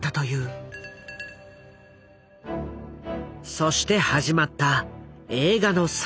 そして始まった映画の撮影。